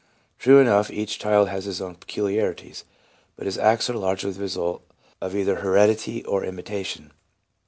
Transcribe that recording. True enough, each child has his own peculiarities, but his acts are largely the result of either heredity or imitation.